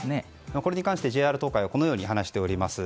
これに関してＪＲ東海はこのように話しております。